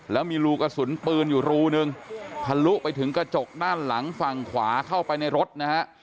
แล้วมีรูกระสุนปืนอยู่รูนึงทะลุไปถึงกระจกด้านหลังฝั่งขวาเข้าไปในรถนะฮะ